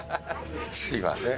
すみません。